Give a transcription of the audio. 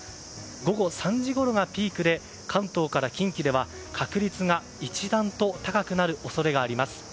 午後３時ごろがピークで関東から近畿では確率が一段と高くなる恐れがあります。